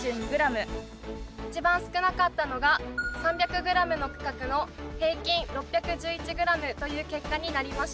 一番少なかったのが３００ｇの区画の平均６１１ｇという結果になりました。